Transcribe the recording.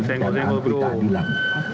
dan anti keadilan